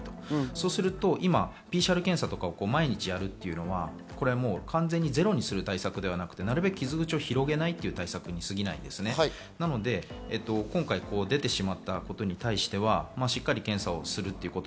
そうすると、ＰＣＲ検査を毎日やるというのは完全にゼロにする対策ではなく、傷口を広げないという対策に過ぎないんですね。今回、出てしまったことに対してはしっかり検査をするということ。